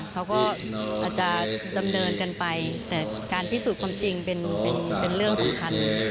เขาก็อาจจะดำเนินกันไปแต่การพิสูจน์ความจริงเป็นเรื่องสำคัญ